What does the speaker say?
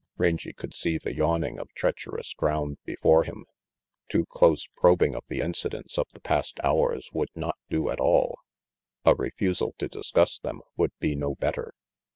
Rangy could see the yawning of treacherous ground before him. Too close probing of the incidents of the past hours would not do at all. A refusal to discuss them would be no better.